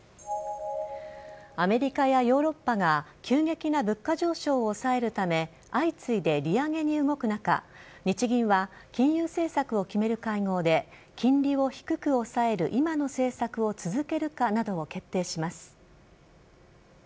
アメリカやヨーロッパが急激な物価上昇を抑えるため相次いで利上げに動く中日銀は金融政策を決める会合で金利を低く抑える今の政策を続けるかなどを決定します。